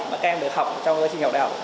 mà các em được học trong quá trình học đại học